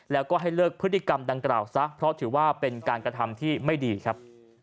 แล้วก็ให้เลิกพฤติกรรมดังกล่าวซะเพราะถือว่าเป็นการกระทำที่ไม่ดีครับ